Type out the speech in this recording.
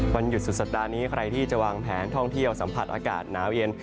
วันหยุดสุดสัปดาห์นี้ใครที่จะวางแผนท่องเที่ยวสัมผัสอากาศหนาวเย็น